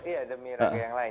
iya demi raga yang lain